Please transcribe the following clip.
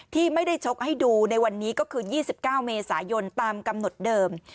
ที่ไม่ได้ชกให้ดูในวันนี้ก็คือ๒๙เมษายนตามกำหนดเดิม